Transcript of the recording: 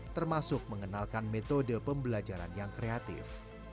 termasuk mengenalkan metode pembelajaran yang kreatif